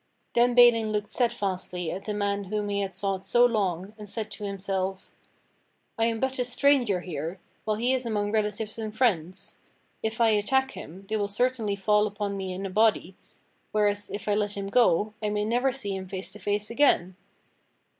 Then Balin looked steadfastly at the man whom he had sought so long, and said to himself : "I am but a stranger here, while he is among relatives and friends. If I attack him, they will certainly fall upon me in a body, whereas if I let him go, I may never see him face to face again."